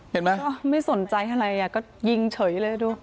เห็นไหมไม่สนใจอะไรอ่ะก็ยิงเฉยเลยดู